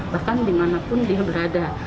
bahkan dimanapun dia berada